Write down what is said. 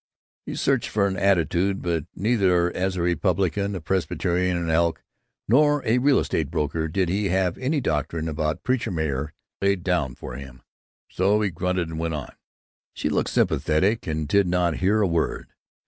He searched for an attitude, but neither as a Republican, a Presbyterian, an Elk, nor a real estate broker did he have any doctrine about preacher mayors laid down for him, so he grunted and went on. She looked sympathetic and did not hear a word.